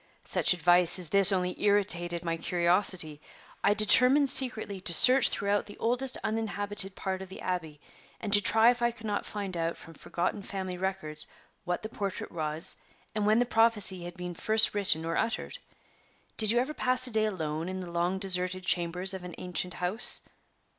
Such advice as this only irritated my curiosity. I determined secretly to search throughout the oldest uninhabited part of the Abbey, and to try if I could not find out from forgotten family records what the portrait was, and when the prophecy had been first written or uttered. Did you ever pass a day alone in the long deserted chambers of an ancient house?"